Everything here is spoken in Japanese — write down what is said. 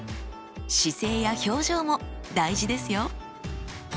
姿勢や表情も大事ですよ。